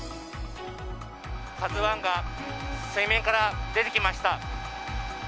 「ＫＡＺＵⅠ」が水面から出てきました。